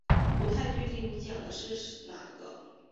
不太确定你讲的是哪个